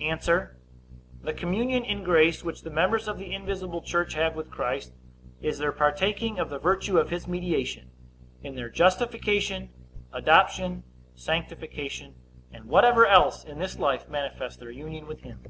A. The communion in grace which the members of the invisible church have with Christ, is their partaking of the virtue of his mediation, in their justification, adoption, sanctification, and whatever else, in this life, manifests their union with him.